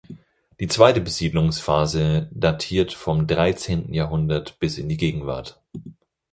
Die zweite Besiedlungsphase datiert vom dreizehnten Jahrhundert bis in die Gegenwart.